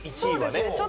１位はね。